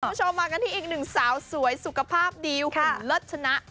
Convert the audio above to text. คุณผู้ชมมากันที่อีกหนึ่งสาวสวยสุขภาพดีลคุณเลิศชนะ